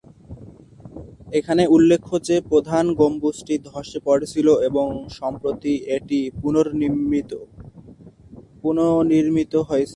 এখানে উল্লেখ্য যে, প্রধান গম্বুজটি ধ্বসে পড়েছিল এবং সম্প্রতি এটি পুনঃনির্মিত হয়েছে।